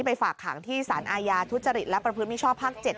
ฝากขังที่สารอาญาทุจริตและประพฤติมิชชอบภาค๗